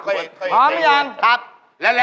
เอาออกมาเอาออกมาเอาออกมา